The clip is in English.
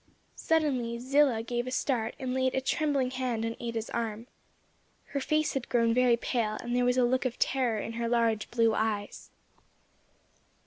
Suddenly Zillah gave a start and laid a trembling hand on Ada's arm. Her face had grown very pale and there was a look of terror in her large blue eyes.